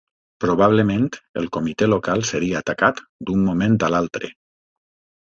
Probablement el Comitè Local seria atacat d'un moment a l'altre